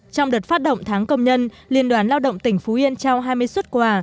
trong đợt phát động tháng công nhân liên đoàn lao động tỉnh phú yên trao hai mươi xuất quà